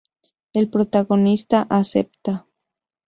El protagonista acepta.